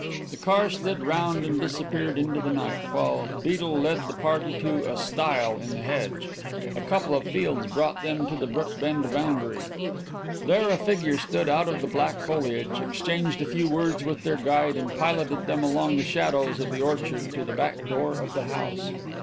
The car slid round and disappeared into the night, while Beedel led the party to a stile in the hedge. A couple of fields brought them to the Brookbend boundary. There a figure stood out of the black foliage, exchanged a few words with their guide and piloted them along the shadows of the orchard to the back door of the house.